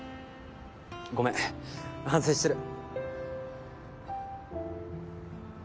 ごめん反省してる。